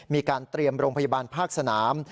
มีการเตรียมโรงพยาบาลภาคสนาม